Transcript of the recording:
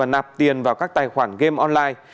nạp tiền vào các tài khoản game online